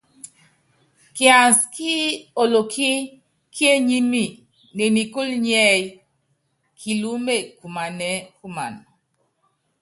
Kiansi ki olokí kíényími ne nikúlu nḭ́ɛ́yí, Kiluúme kumanɛɛ́ kuman.